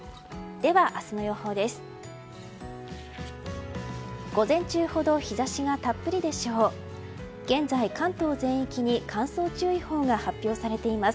では明日の予報です。